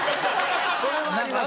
それはあります